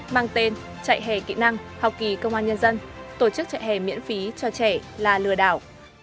mang tên trại hè kỹ năng học kỳ công an nhân dân tổ chức trại hè miễn phí cho trẻ là lừa đảo